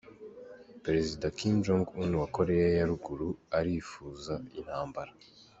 Perezida Kim Jong Un wa Koreya ya Ruguru arifuza intambara.